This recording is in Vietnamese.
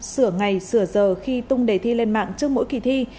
sửa ngày sửa giờ khi tung đề thi lên mạng trước mỗi kỳ thi